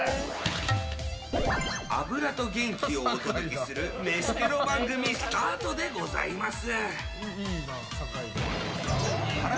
脂と元気をお届けする飯テロ番組スタートでございます。